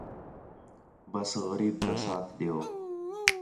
بس غریب تا ساتھ ݙیؤ